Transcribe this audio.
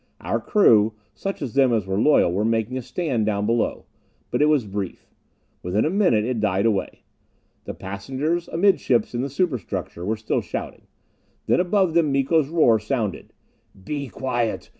Our crew such of them as were loyal were making a stand down below. But it was brief. Within a minute it died away. The passengers, amidships in the superstructure, were still shouting. Then above them Miko's roar sounded. "Be quiet!